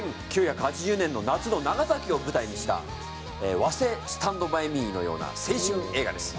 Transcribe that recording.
１９８０年の夏の長崎を舞台にした和製『スタンド・バイ・ミー』のような青春映画です。